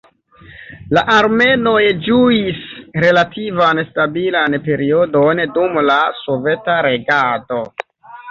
La armenoj ĝuis relativan stabilan periodon dum la soveta regado.